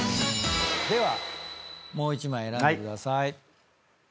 ではもう１枚選んでください。